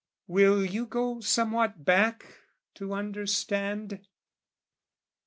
Will you go somewhat back to understand?